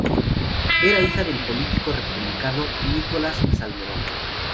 Era hija del político republicano Nicolás Salmerón.